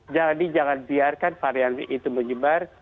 jadi jangan biarkan varian itu menyebar